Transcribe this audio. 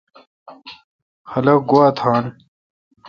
خلق گوا تھان۔